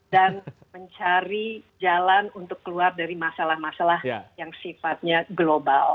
dan mencari jalan untuk keluar dari masalah masalah yang sifatnya global